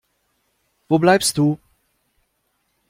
Wo bleibst du?